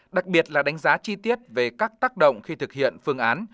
đặc biệt là đánh giá chi tiết về các tác động khi thực hiện phương án